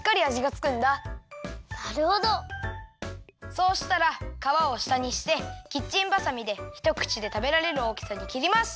そうしたらかわをしたにしてキッチンばさみでひとくちでたべられるおおきさにきります。